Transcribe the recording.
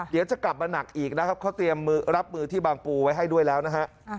เดี๋ยวจะกลับมาหนักอีกนะครับเขาเตรียมรับมือที่บางปูไว้ให้ด้วยแล้วนะฮะ